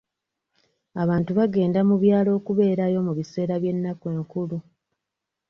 Abantu bagenda mu byalo okubeerayo mu biseera by'ennaku enkulu